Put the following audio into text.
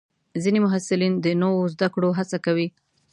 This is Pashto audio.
ځینې محصلین د نوو زده کړو هڅه کوي.